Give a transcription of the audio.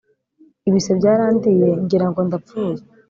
Ibise byarandiye ngirango ndapfuye